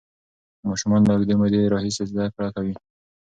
ماشومان له اوږدې مودې راهیسې زده کړه کوي.